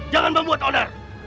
jangan membuat onar